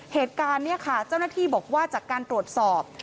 เหตุการณ์เนี่ยค่ะเจ้าหน้าที่บอกว่าจากการตรวจสอบ